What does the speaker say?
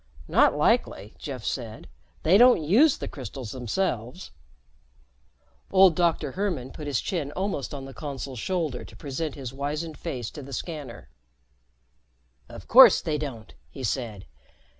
"Not likely," Jeff said. "They don't use the crystals themselves." Old Dr. Hermann put his chin almost on the Consul's shoulder to present his wizened face to the scanner. "Of course they don't," he said.